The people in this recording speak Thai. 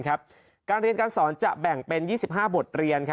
การเรียนการสอนจะแบ่งเป็น๒๕บทเรียน